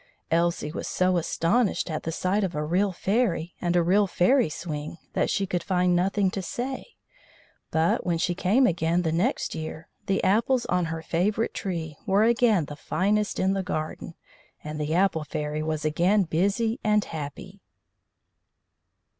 Elsie was so astonished at the sight of a real fairy and a real fairy swing that she could find nothing to say; but, when she came again the next year, the apples on her favourite tree were again the finest in the garden, and the Apple Fairy was again busy and happy.